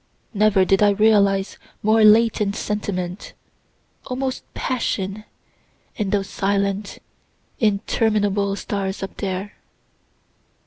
Never did I realize more latent sentiment, almost passion, in those silent interminable stars up there.